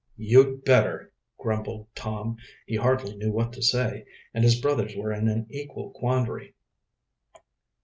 "You'd better," grumbled Tom. He hardly knew what to say, and his brothers were in an equal quandary.